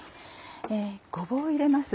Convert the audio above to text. ごぼうを入れます。